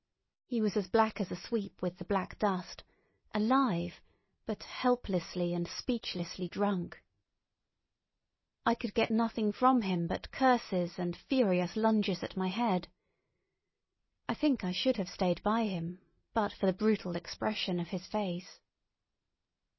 He was as black as a sweep with the black dust, alive, but helplessly and speechlessly drunk. I could get nothing from him but curses and furious lunges at my head. I think I should have stayed by him but for the brutal expression of his face.